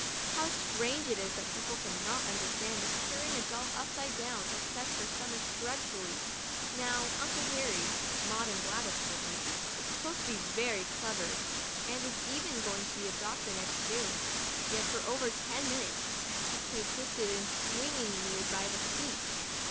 How strange it is that people cannot understand that carrying a doll upside down upsets her stomach dreadfully. Now Uncle Harry, Maud and Gladys told me, is supposed to be very clever, and is even going to be a doctor next June ; yet, for over ten minutes, he persisted in swinging me by the feet.